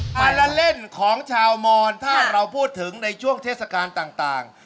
มาละเล่นของชาวมอนถ้าเราพูดถึงในช่วงเทศกาลต่าง